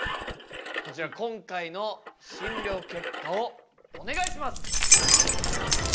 こちら今回の診りょう結果をお願いします！